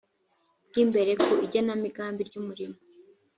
bw imbere ku igenamigambi ry umurimo